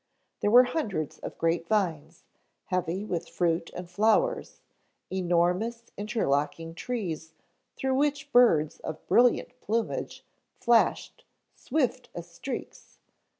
There were hundreds of great vines, heavy with fruit and flowers, enormous interlocking trees through which birds of brilliant plumage flashed swift as streaks.